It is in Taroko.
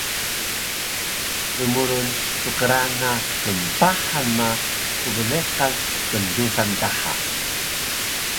dmurun pkrana knpahan ma pbleqan kndusan daha